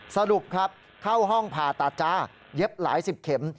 สรุปครับเข้าห้องผ่าตัดจ้าเย็บหลายสิบเข็ม